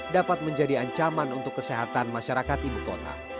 dapat menjadi ancaman untuk kesehatan masyarakat ibu kota